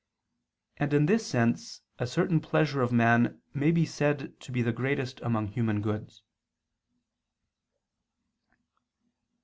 And in this sense a certain pleasure of man may be said to be the greatest among human goods.